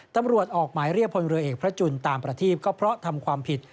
ตำรวจออกหมายเรียกพลเรือเอกพระจุลตามประทีปก็เพราะทำความผิด